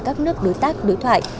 các nước đối tác đối thoại